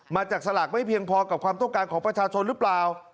จากสลากไม่เพียงพอกับความต้องการของประชาชนหรือเปล่า